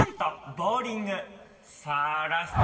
「ボウリング」さあラスト